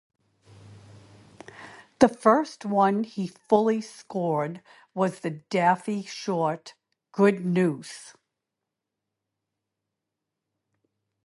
The first one he fully scored was the Daffy short, "Good Noose".